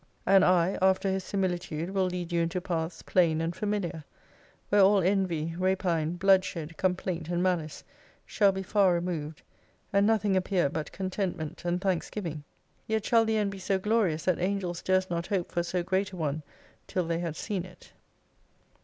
And I after His simiUtude will lead you into paths plain and familiar, where all envy, rapine, bloodshed, complaint and malice shall be far removed ; and nothing appear but contentment and thanksgiving. Yet shall the end be so glorious that angels durst not hope for so great a one till they had seen it.